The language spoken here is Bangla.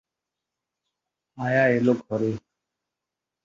আয়া এল ঘরে।